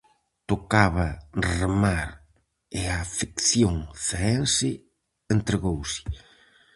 Tocaba remar e a afección zaense entregouse.